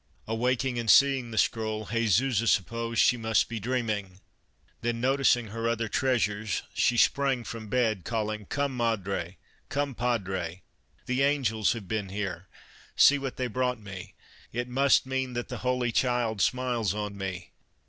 Awaking and seeing the scroll, Jesusa supposed l.ofC. San Fernando Cathedral 89 The Alcalde's Daughter she must be dreaming, then noticing her other treasures, she sprang from bed, calling: " Come mad re, come padre; the angels have been here. See what they brought me. It must mean that the Holy Child smiles on me.